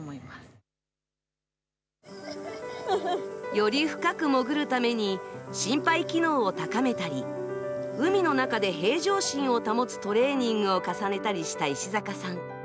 より深く潜るために、心肺機能を高めたり、海の中で平常心を保つトレーニングを重ねたりした石坂さん。